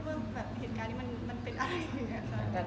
ก็เลยไม่รู้ว่าเหตุการณ์นี้มันเป็นอะไร